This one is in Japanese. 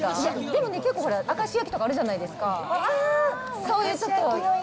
でもね、結構、明石焼きとかあるじゃないですか。